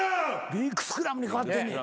「ビッグスクラム！」に変わってんねん。